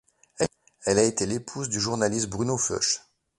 Elle a été l'épouse du journaliste Bruno Fuchs.